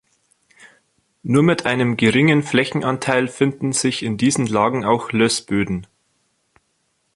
Nur mit einem geringen Flächenanteil finden sich in diesen Lagen auch Lössböden.